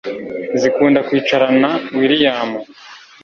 zikunda kwicarana william